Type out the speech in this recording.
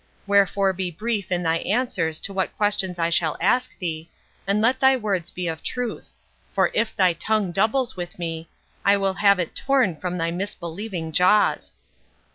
Wherefore be brief in thy answers to what questions I shall ask thee, and let thy words be of truth; for if thy tongue doubles with me, I will have it torn from thy misbelieving jaws."